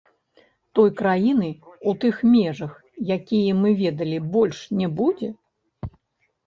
Той краіны, у тых межах, якія мы ведалі, больш не будзе?